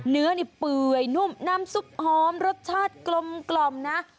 เนื้อนี่เปื่อยนุ่มน้ำซุปหอมรสชาติกลมนะ